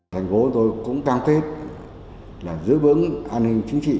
thành phố tôi cũng can thiết giữ bướng an ninh chính trị